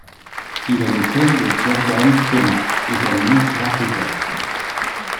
Il est le père de Jordan Thomas, également karatéka.